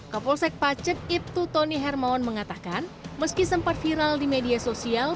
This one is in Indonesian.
kapolsek pacek ibtu tony hermawan mengatakan meski sempat viral di media sosial